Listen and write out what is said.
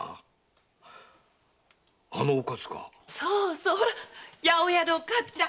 そう八百屋のおかつちゃん！